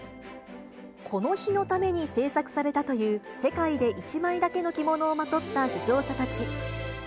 この日のために制作されたという世界で１枚だけの着物をまとった受賞者たち。